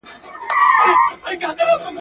د وړې اوسپني زور نه لري لوېږي.